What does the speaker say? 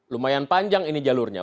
lumayan panjang ini jalurnya